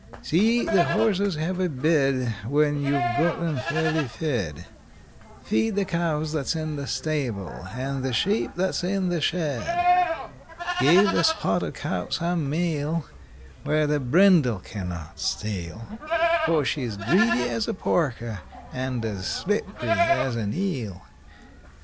See the horses have a bed When you've got 'em fairly fed; Feed the cows that's in the stable, and the sheep that's in the shed; Give the spotted cow some meal, Where the brindle can not steal; For she's greedy as a porker, and as slipp'ry as an eel.